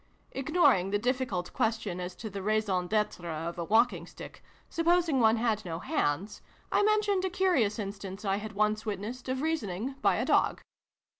Ignoring the difficult question as to the raison dtre of a walking stick, supposing one had no hands, I mentioned a curious instance, I had once witnessed, of reasoning by a dog.